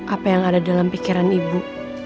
apa yang ada dalam pikiran ibu